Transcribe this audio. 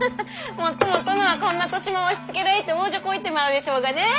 もっとも殿はこんな年増を押しつけられて往生こいてまうでしょがね！